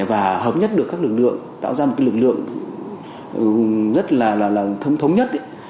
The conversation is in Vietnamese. và hợp nhất được các lực lượng tạo ra một cái lực lượng rất là thống nhất